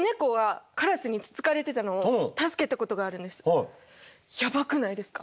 で私がやばくないですか？